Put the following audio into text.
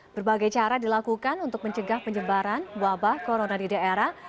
berbagai cara dilakukan untuk mencegah penyebaran wabah corona di daerah